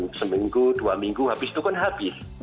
itu kan hanya jalan seminggu dua minggu habis itu kan habis